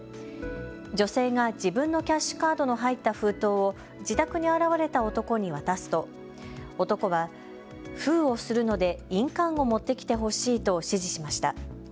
女性が自分のキャッシュカードの入った封筒を自宅に現れた男に渡すと、男は封をするので印鑑を持ってきてほしいと指示しました。